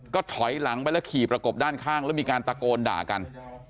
ก็ถอยหลังไปแล้วขี่ประกบด้านข้างแล้วมีการตะโกนด่ากัน